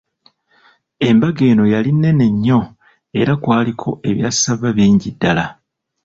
Embaga eno yali nnene nnyo era kwaliko ebya ssava bingi ddala.